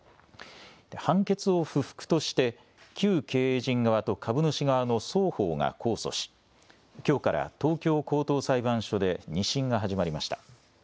判決を不服として旧経営陣側と株主側の双方が控訴しきょうから東京高等裁判所で２審が始まりました。